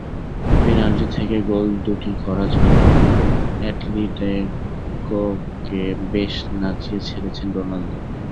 Penalty থেকে goal দুটি করা ছাড়াও অ্যাটলেটিকোকে বেশ নাচিয়ে ছেড়েছেন রোনালদো।